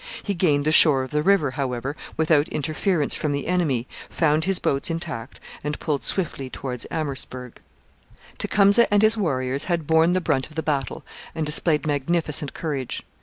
He gained the shore of the river, however, without interference from the enemy, found his boats intact, and pulled swiftly towards Amherstburg. Tecumseh and his warriors had borne the brunt of the battle and displayed magnificent courage.